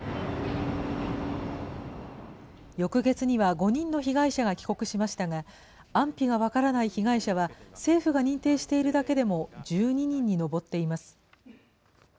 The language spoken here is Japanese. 翌月には５人の被害者が帰国しましたが、安否が分からない被害者は、政府が認定しているだけでも１２人に上っています。